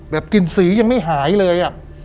กลิ่นสียังไม่หายเลย